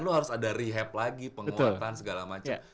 lu harus ada rehab lagi penguatan segala macam